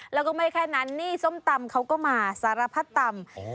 แล้วก็ไม่แค่นั้นนี่ส้มตำเขาก็มาสารพัดตำ